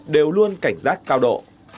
đều luôn cảnh giác cao độ